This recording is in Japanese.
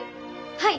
はい！